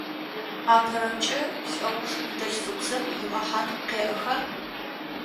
Апэрэмкӏэ, лӏэуж ныдэлъфыбзэм имэхьан къеӏыха?